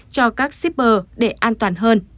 cho các shipper để an toàn hơn